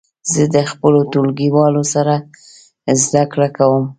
زه د خپلو ټولګیوالو سره زده کړه کوم.